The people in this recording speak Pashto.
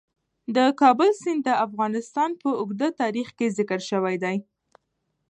د کابل سیند د افغانستان په اوږده تاریخ کې ذکر شوی دی.